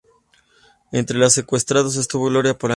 Entre los secuestrados estuvo Gloria Polanco.